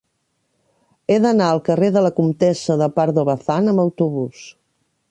He d'anar al carrer de la Comtessa de Pardo Bazán amb autobús.